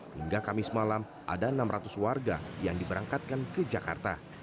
hingga kamis malam ada enam ratus warga yang diberangkatkan ke jakarta